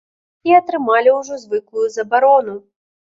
І атрымалі ўжо звыклую забарону.